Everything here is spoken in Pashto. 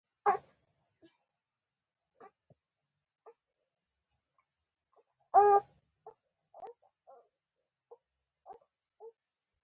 ته باید خامخا له خپل خدای سره مینه ولرې.